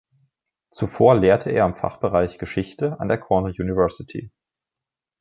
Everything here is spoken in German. Zuvor lehrte er am Fachbereich Geschichte an der Cornell University.